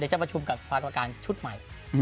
เดี๋ยวจะประชุมกับภาคกรรมการชุดใหม่